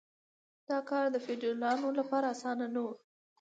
دا کار د فیوډالانو لپاره اسانه نه و.